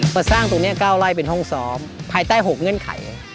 มาสร้างตรงนี้๙ไร่เป็นห้องซ้อมภายใต้๖เงื่อนไข